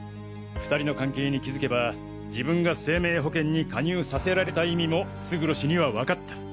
２人の関係に気付けば自分が生命保険に加入させられた意味も勝呂氏にはわかった。